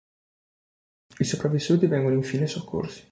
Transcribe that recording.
I sopravvissuti vengono infine soccorsi.